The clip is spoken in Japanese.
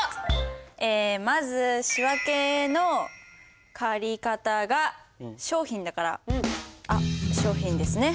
まず仕訳の借方が商品だからあっ商品ですね。